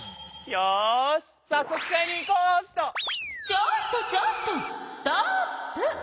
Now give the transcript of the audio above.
ちょっとちょっとストップ！